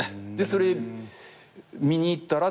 それ見に行ったら？